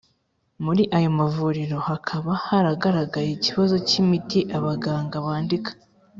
Muri ayo mavuriro hakaba haragaragaye ikibazo cy imiti abaganga bandika